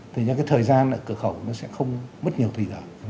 thì cái thời gian ở cửa khẩu sẽ không mất nhiều thời gian